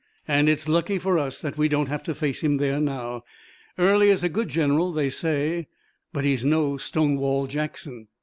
"And it's lucky for us that we don't have to face him there now. Early is a good general, they say, but he's no Stonewall Jackson."